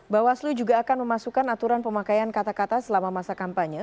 bawaslu juga akan memasukkan aturan pemakaian kata kata selama masa kampanye